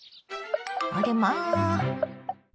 あれまぁ。